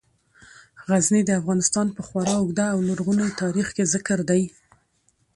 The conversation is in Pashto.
غزني د افغانستان په خورا اوږده او لرغوني تاریخ کې ذکر دی.